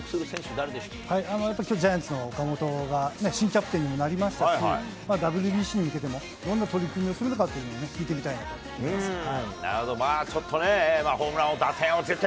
やっぱりきょう、ジャイアンツの岡本が新キャプテンにもなりましたし、ＷＢＣに向けてどんな取り組みをするのかというのを聞いてみたい「新ゴールドスター」！